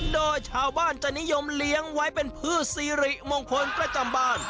โดยชาวบ้านจะนิยมเลี้ยงไว้เป็นพืชซีริมงคลประจำบ้าน